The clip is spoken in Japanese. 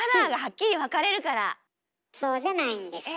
そうじゃないんですよ。